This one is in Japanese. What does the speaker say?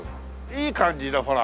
いい感じだほら！